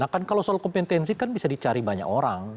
nah kan kalau soal kompetensi kan bisa dicari banyak orang